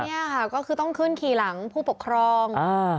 นี่ค่ะก็คือต้องขึ้นขี่หลังผู้ปกครอง